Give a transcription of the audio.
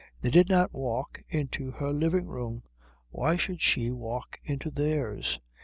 They did not walk into her living room; why should she walk into theirs?